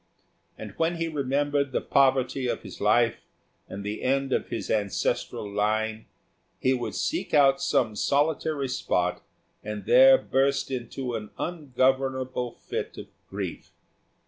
And when he remembered the poverty of his life and the end of his ancestral line, he would seek out some solitary spot, and there burst into an ungovernable fit of grief.